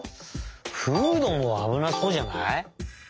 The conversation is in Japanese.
フードもあぶなそうじゃない？